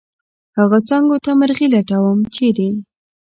هغه څانګو ته مرغي لټوم ، چېرې؟